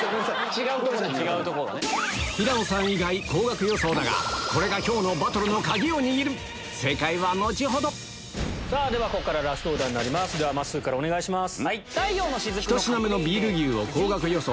平野さん以外高額予想だがこれが今日のバトルの鍵を握るではここからラストオーダーまっすーからお願いします。